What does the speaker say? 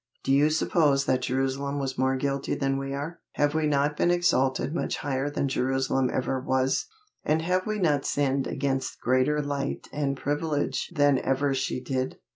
Do you suppose that Jerusalem was more guilty than we are? Have we not been exalted much higher than Jerusalem ever was? And have we not sinned against greater light and privilege than ever she did?